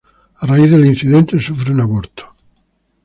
A raíz del incidente sufre un aborto.